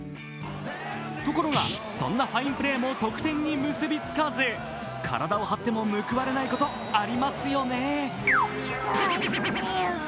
ところが、そんなファインプレーも得点に結びつかず、体を張っても報われないこと、ありますよね。